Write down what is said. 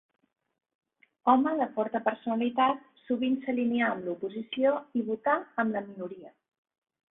Home de forta personalitat, sovint s'alineà amb l'oposició i votà amb la minoria.